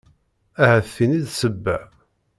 Ahat d tin i d ssebba.